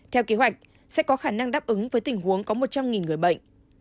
theo kế hoạch sẽ có khả năng đáp ứng với tình huống có một trăm linh người bệnh